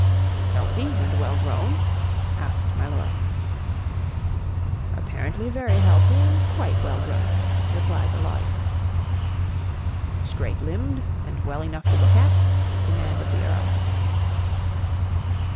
"Healthy and well grown?" asked my lord. "Apparently very healthy, and quite well grown," replied the lawyer. "Straight limbed and well enough to look at?" demanded the Earl.